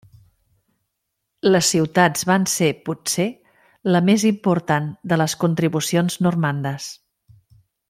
Les ciutats van ser, potser, la més important de les contribucions normandes.